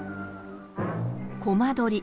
「コマ撮り」。